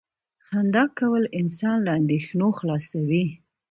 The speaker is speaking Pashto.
• خندا کول انسان له اندېښنو خلاصوي.